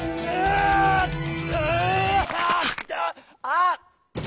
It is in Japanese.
あっ！